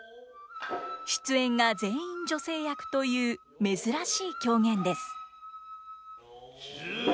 出演が全員女性役という珍しい狂言です。